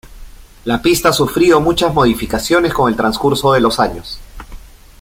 La pista ha sufrido muchas modificaciones con el transcurso de los años.